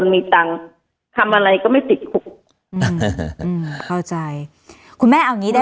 ไม่งั้นเค้าใช้ความพูดอยู่กับคนมีจำ